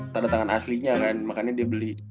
tanda tangan aslinya kan makanya dia beli